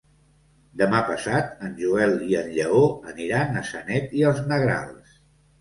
Demà passat en Joel i en Lleó aniran a Sanet i els Negrals.